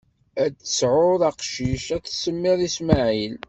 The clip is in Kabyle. Ad d-tesɛuḍ acqcic, ad s-tsemmiḍ Ismaɛil.